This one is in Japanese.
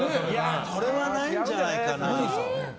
それはないんじゃないかな。